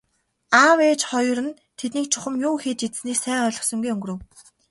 Аав ээж хоёр нь тэднийг чухам юу хийж идсэнийг сайн ойлгосонгүй өнгөрөв.